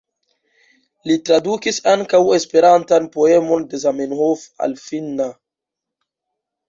Li tradukis ankaŭ esperantan poemon de Zamenhof al finna.